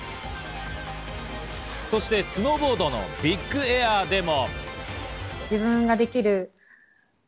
そしてスノーボードのビックエアでも。